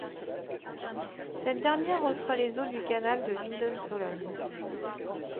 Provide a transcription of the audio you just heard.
Cette dernière reçoit les eaux du canal de Widensolen.